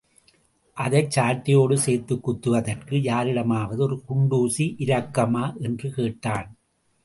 அதைச்சட்டையோடு சேர்த்துக் குத்துவதற்கு யாரிடமாவது ஒரு குண்டுசி இரக்குமா? என்று கேட்டான்.